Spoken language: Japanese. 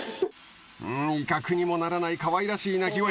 うん威嚇にもならないかわいらしい鳴き声。